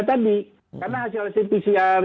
tadi karena hasil hasil pcr